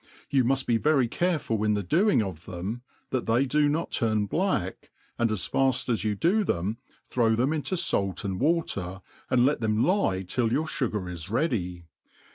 You muft be very careful in the doing of them^ that they do not turn black, and as faft as you do them, throw them into (alt and water, and let them lie till your fugar is jesiy.'